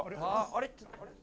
あれ？